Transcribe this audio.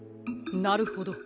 なるほど。